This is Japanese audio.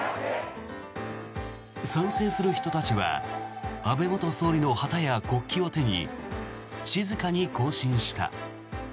賛成する人たちは安倍元総理の旗や国旗を手に静かに行進した。